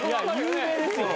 有名ですよ。